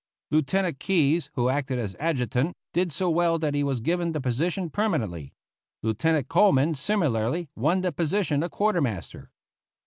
Lieutenant Keyes, who acted as adjutant, did so well that he was given the position permanently. Lieutenant Coleman similarly won the position of quartermaster.